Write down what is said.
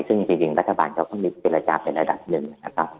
ซึ่งจริงปัจจุบันนี้ต้องมีเศรษะลัยเองเป็นระดับหนึ่งนะครับ